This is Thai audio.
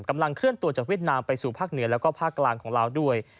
กำลังเคลื่อนตัวจากวิทยาลังก์ไปสู่ภาคเหนือและภาคกลางของลาวด้วย